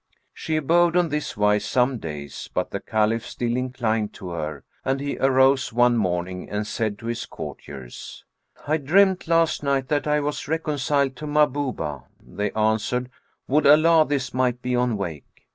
She abode on this wise some days, but the Caliph still inclined to her; and he arose one morning and said to his courtiers, "I dreamt, last night, that I was reconciled to Mahhubah." They answered, "Would Allah this might be on wake!"